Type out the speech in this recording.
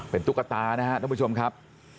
เป็นตุ๊กตานะครับท่านผู้ชมครับ